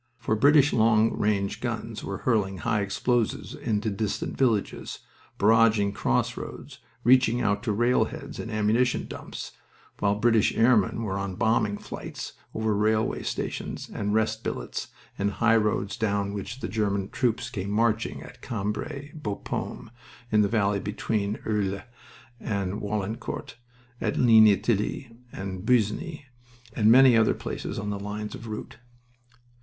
For British long range guns were hurling high explosives into distant villages, barraging crossroads, reaching out to rail heads and ammunition dumps, while British airmen were on bombing flights over railway stations and rest billets and highroads down which the German troops came marching at Cambrai, Bapaume, in the valley between Irles and Warlencourt, at Ligny Thilloy, Busigny, and many other places on the lines of route.